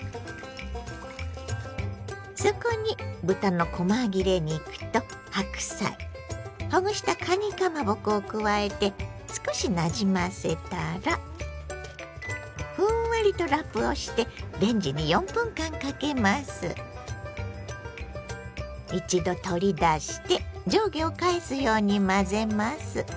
そこに豚のこま切れ肉と白菜ほぐしたかにかまぼこを加えて少しなじませたらふんわりとラップをして一度取り出して上下を返すように混ぜます。